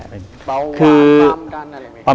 เบาหวานลำดันอะไรอย่างนี้